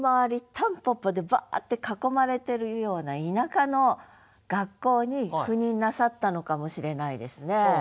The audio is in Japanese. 蒲公英でバーッて囲まれてるような田舎の学校に赴任なさったのかもしれないですね。